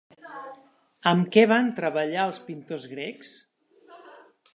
Amb què van treballar els pintors grecs?